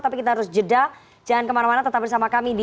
tapi kita harus jeda jangan kemana mana tetap bersama kami di